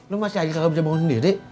lo masih aja gak bisa bangun diri